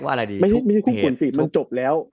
ไม่ใช่คลุกกุ่นสิมันจบแล้ว